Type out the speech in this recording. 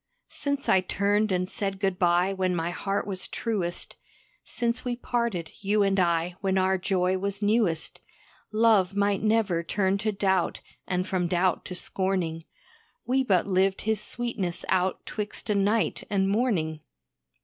Since I turned and said good bye when my heart was truest, Since we parted, you and I, when our joy was newest, Love might never turn to doubt and from doubt to scorning. We but lived his sweetness out twixt a night and morning.